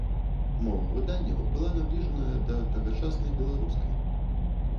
Мова выданняў была набліжаная да тагачаснай беларускай.